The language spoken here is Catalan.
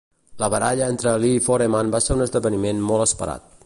La baralla entre Ali i Foreman va ser un esdeveniment molt esperat.